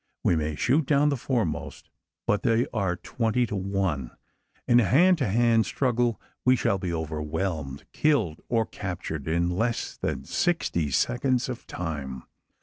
We may shoot down the foremost; but they are twenty to one. In a hand to hand struggle, we shall be overwhelmed killed or captured in less than sixty seconds of time!